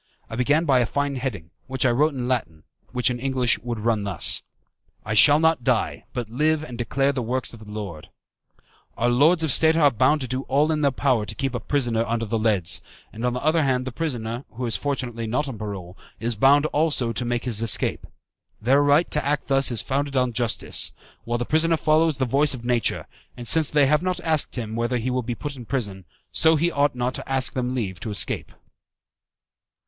I began by a fine heading, which I wrote in Latin, and which in English would run thus: "'I shall not die, but live and declare the works of the Lord.'" "Our lords of state are bound to do all in their power to keep a prisoner under the Leads, and on the other hand the prisoner, who is fortunately not on parole, is bound also to make his escape. Their right to act thus is founded on justice, while the prisoner follows the voice of nature; and since they have not asked him whether he will be put in prison, so he ought not to ask them leave to escape.